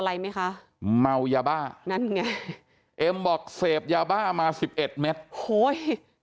อะไรไหมคะเมายาบ้านั่นไงเอ็มบอกเสพยาบ้ามาสิบเอ็ดเม็ดโหย